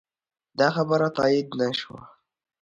دا خبره تایید نه شوه.